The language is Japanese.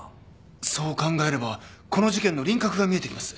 そう考えればこの事件の輪郭が見えてきます。